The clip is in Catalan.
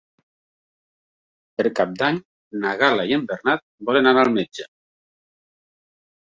Per Cap d'Any na Gal·la i en Bernat volen anar al metge.